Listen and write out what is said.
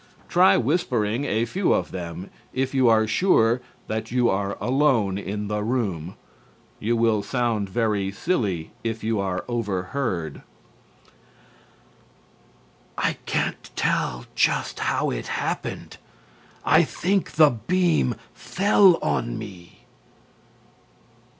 Try whispering a few of them, if you are sure that you are alone in the room. You will sound very silly if you are overheard. a. "I can't tell just how it happened; I think the beam fell on me."